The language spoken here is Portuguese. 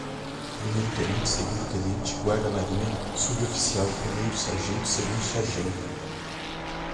Primeiro-Tenente, Segundo-Tenente, Guarda-Marinha, Suboficial, Primeiro-Sargento, Segundo-Sargento